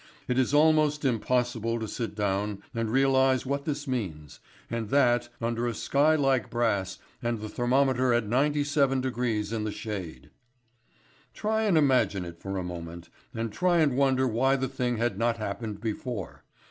It is almost impossible to sit down and realise what this means, and that under a sky like brass and the thermometer at 97° in the shade. Try and imagine it for a moment, and try and wonder why the thing has not happened before.